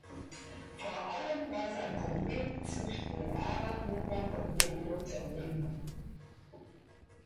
Vor allem war es ein Problem zwischen den Arbeitnehmern und dem Unternehmen.